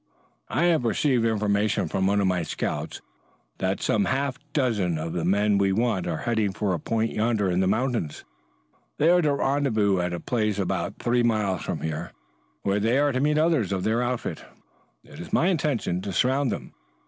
I have received information from one of my scouts that some half dozen of the men we want are heading for a point yonder in the mountains. They are to rendezvous at a place about three miles from here where they are to meet others of their outfit. It is my intention to surround them.